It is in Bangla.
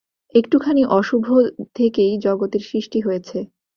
একটুখানি অশুভ থেকেই জগতের সৃষ্টি হয়েছে।